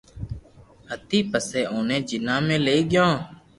ھتي پسي اوني جناح ۾ لئي گيو